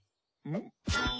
ん？